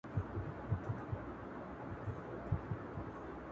د دوی لنډه غرۍ دلته سمتي